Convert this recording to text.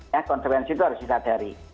ya konsekuensi itu harus disadari